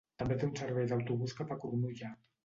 També té un servei d'autobús cap a Cronulla.